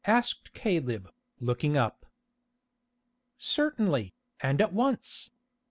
asked Caleb, looking up. "Certainly, and at once.